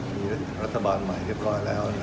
มีรัฐบาลใหม่เรียบร้อยแล้ว